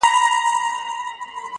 ټول مي په یوه یوه هینده پر سر را واړول-